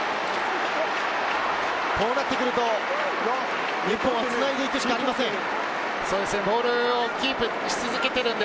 こうなってくると日本はつないでいくしかありません。